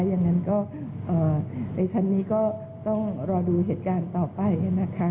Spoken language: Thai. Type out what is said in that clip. อย่างนั้นก็ในชั้นนี้ก็ต้องรอดูเหตุการณ์ต่อไปนะคะ